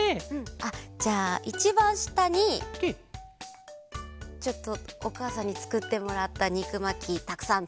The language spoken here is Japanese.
じゃあいちばんしたにちょっとおかあさんにつくってもらったにくまきたくさんと。